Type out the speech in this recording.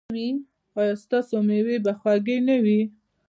ایا ستاسو میوې به خوږې نه وي؟